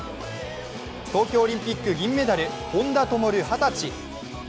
東京オリンピック銀メダル本多灯、二十歳。